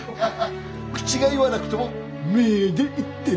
口が言わなくても目で言ってる。